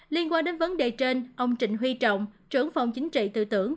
liên quan đến vấn đề trên ông trịnh huy trọng trưởng phòng chính trị tư tưởng